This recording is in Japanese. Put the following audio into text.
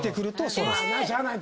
しゃあない。